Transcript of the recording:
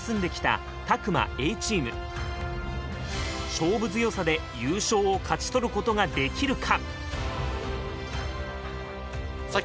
勝負強さで優勝を勝ち取ることができるか？